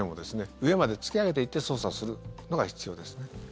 上まで突き上げていって捜査するのが必要ですね。